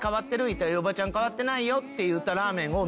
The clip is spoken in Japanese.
言うたら「おばちゃん変わってないよ」って言うたラーメンを。